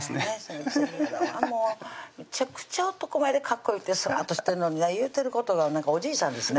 めちゃくちゃ男前でかっこよくてスラッとしてんのに言うてることはおじいさんですね